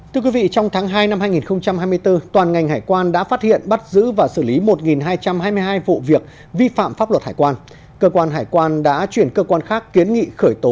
thưa quý vị trong tháng hai năm hai nghìn hai mươi bốn toàn ngành hải quan đã phát hiện bắt giữ và xử lý một hai trăm hai mươi hai vụ việc vi phạm pháp luật hải quan cơ quan hải quan đã chuyển cơ quan khác kiến nghị khởi tố vụ án